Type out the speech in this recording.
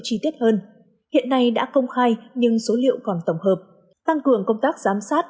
chi tiết hơn hiện nay đã công khai nhưng số liệu còn tổng hợp tăng cường công tác giám sát